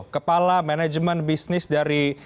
kepala manajemen bisnis dari